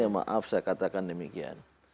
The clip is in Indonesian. maaf saya katakan demikian